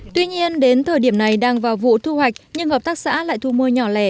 tuy nhiên đến thời điểm này đang vào vụ thu hoạch nhưng hợp tác xã lại thu mua nhỏ lẻ